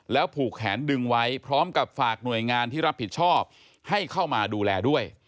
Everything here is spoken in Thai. ผูกแขนดึงไว้พร้อมกับฝากหน่วยงานที่รับผิดชอบให้เข้ามาดูแลด้วย